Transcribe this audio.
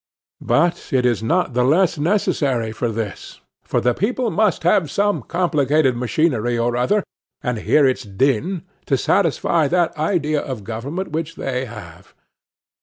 But it is not the less necessary for this; for the people must have some complicated machinery or other, and hear its din, to satisfy that idea of government which they have.